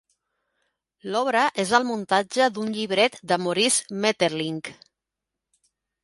L'obra és el muntatge d'un llibret de Maurice Maeterlinck.